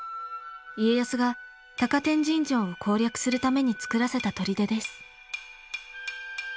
家康が高天神城を攻略するために作らせた砦です。